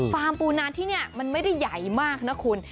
ปูนานที่นี่มันไม่ได้ใหญ่มากนะคุณ